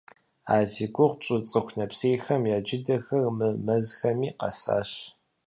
А зи гугъу тщӏы цӏыху нэпсейхэм я джыдэхэр мы мэзхэми къэсащ.